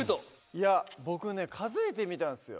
いや僕ね数えてみたんですよ。